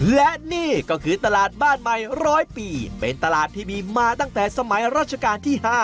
และนี่ก็คือตลาดบ้านใหม่๑๐๐ปีเป็นตลาดที่มีมาตั้งแต่สมัยราชการที่๕